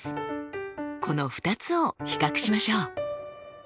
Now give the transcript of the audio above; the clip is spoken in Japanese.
この２つを比較しましょう。